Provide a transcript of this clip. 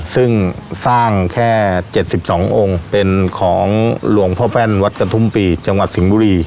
ซึ่งสร้างแค่๗๒องค์เป็นของหลวงพ่อแว่นวัดกระทุ่มปีจังหวัดสิงห์บุรี